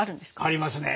ありますね。